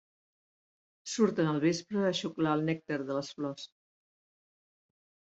Surten al vespre a xuclar el nèctar de les flors.